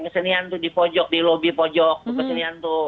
kesenian tuh di pojok di lobby pojok kesenian tuh